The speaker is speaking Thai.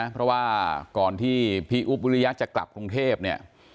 เพราะว่าก่อนที่พี่อุ๊บวิริยะจะกลับกรุงเทพเนี่ย